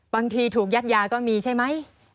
บางทีถูกยัดยาก็มีใช่ไหม